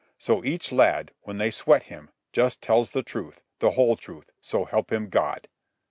So each lad, when they sweat him, just tells the truth, the whole truth, so help him God."